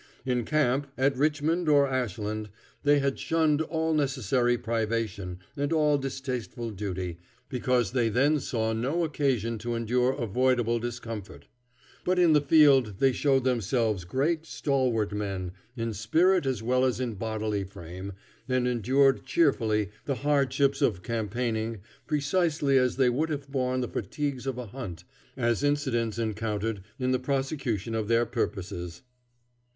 In camp, at Richmond or Ashland, they had shunned all unnecessary privation and all distasteful duty, because they then saw no occasion to endure avoidable discomfort. But in the field they showed themselves great, stalwart men in spirit as well as in bodily frame, and endured cheerfully the hardships of campaigning precisely as they would have borne the fatigues of a hunt, as incidents encountered in the prosecution of their purposes.